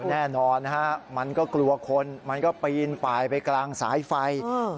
แน่นอนนะฮะมันก็กลัวคนมันก็ปีนปลายไปกลางสายไฟ